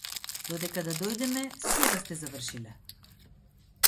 Додека да дојдеме се да сте завршиле.